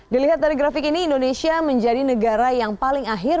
dilihat dari grafik ini indonesia menjadi negara yang paling akhir